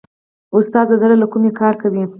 استاد د زړه له کومې کار کوي.